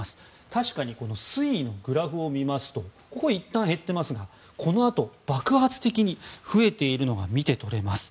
確かに水位のグラフを見ますといったん減っていますがこのあと爆発的に増えているのが見て取れます。